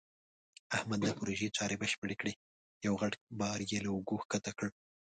احمد د پروژې چارې بشپړې کړې. یو غټ بار یې له اوږو ښکته کړ.